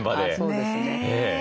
そうですね。